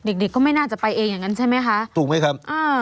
เด็กเด็กก็ไม่น่าจะไปเองอย่างนั้นใช่ไหมคะถูกไหมครับอ่า